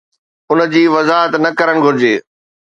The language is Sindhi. ان جي وضاحت نه ڪرڻ گهرجي.